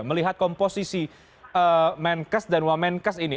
melihat komposisi menkes dan wamenkes ini